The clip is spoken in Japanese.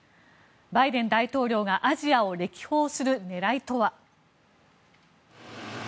バイデン大統領がアジアを歴訪する狙いとは。